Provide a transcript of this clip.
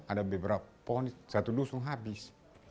ada beberapa pohon satu dusung habis